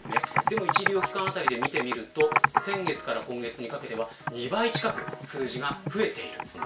１医療機関あたりで見てみると先月から今月にかけて２倍近く数字が増えている。